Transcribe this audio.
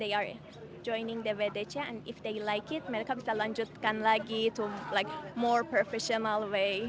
mereka berani untuk ikut wdc dan jika mereka suka mereka bisa lanjutkan lagi ke cara profesional